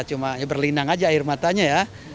cuma ya berlinang aja air matanya ya